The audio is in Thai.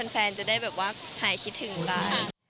แฟนจะได้หายคิดถึงได้